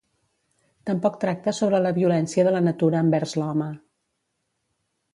Tampoc tracta sobre la violència de la natura envers l'home.